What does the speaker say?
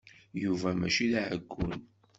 Yuba mačči d aɛeggun.